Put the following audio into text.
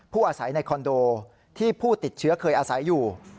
อาศัยในคอนโดที่ผู้ติดเชื้อเคยอาศัยอยู่